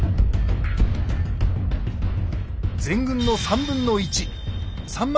全軍の３分の１３万